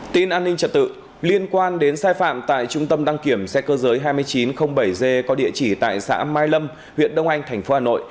tin an ninh trật tự liên quan đến sai phạm tại trung tâm đăng kiểm xe cơ giới hai nghìn chín trăm linh bảy g có địa chỉ tại xã mai lâm huyện đông anh tp hà nội